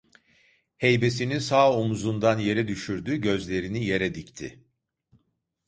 Heybesini sağ omuzundan yere düşürdü, gözlerini yere dikti.